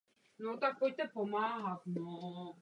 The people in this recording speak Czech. Přesto byl tou dobou také stále aktivní jako nezávislý architekt.